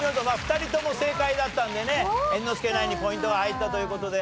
２人とも正解だったんでね猿之助ナインにポイントが入ったという事で。